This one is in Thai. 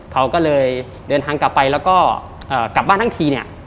เขาก็เลยเดินทางกลับไปแล้วก็กลับบ้านทั้งทีเนี่ย